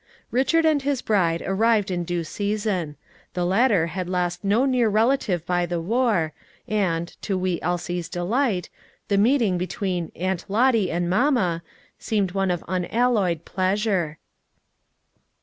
Richard and his bride arrived in due season. The latter had lost no near relative by the war, and to wee Elsie's delight the meeting between "Aunt Lottie and mamma," seemed one of unalloyed pleasure.